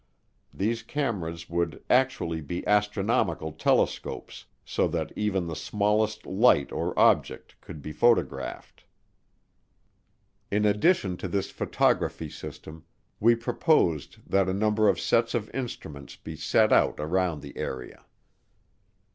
These cameras would actually be astronomical telescopes, so that even the smallest light or object could be photographed. In addition to this photography system we proposed that a number of sets of instruments be set out around the area.